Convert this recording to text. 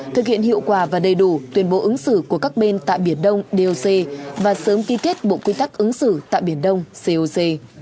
thực hiện hiệu quả và đầy đủ tuyên bố ứng xử của các bên tại biển đông doc và sớm ký kết bộ quy tắc ứng xử tại biển đông coc